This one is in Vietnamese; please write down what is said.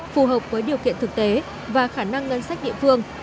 phù hợp với điều kiện thực tế và khả năng ngân sách địa phương